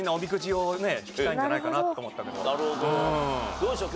どうでしょう？